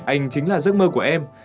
anh chính là giấc mơ của em